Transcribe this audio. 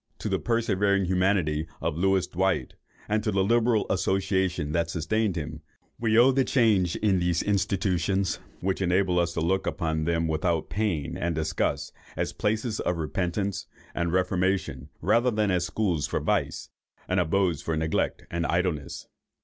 To the persevering humanity of Louis Dwight, and to the liberal association that sustained him, we owe the change in these institutions which enables us to look on them without pain and disgust as places of repentance and reformation, rather than as schools for vice, and abodes of neglect and idleness.